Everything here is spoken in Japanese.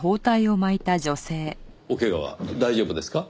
お怪我は大丈夫ですか？